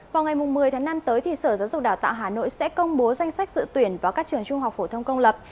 vào ngày một mươi tháng năm tới thì sở giáo dục đào tạo hà nội sẽ công bố danh sách dự tuyển vào các trường trung học phổ thông công lập